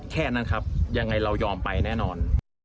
แค่นั้นครับยังไงเรายอมไปแน่นอน